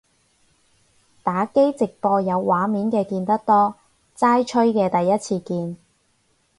打機直播有畫面嘅見得多，齋吹嘅第一次見